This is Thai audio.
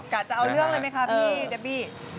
จะเอาเรื่องเลยไหมคะพี่เดบี้